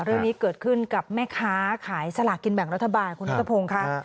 เรื่องนี้เกิดขึ้นกับแม่ค้าขายสลากกินแบ่งรัฐบาลคุณนัทพงศ์ค่ะ